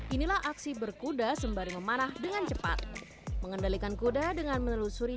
inilah aksi berkuda sembari memanah dengan cepat mengendalikan kuda dengan menelusuri